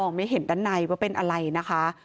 ไม่เห็นด้านในว่าเป็นอะไรนะคะ